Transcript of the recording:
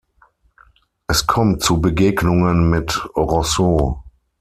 Es kommt zu Begegnungen mit Rousseau.